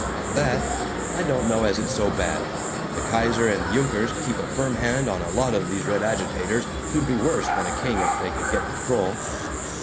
At that, I don't know as it's so bad. The Kaiser and the Junkers keep a firm hand on a lot of these red agitators who'd be worse than a king if they could get control."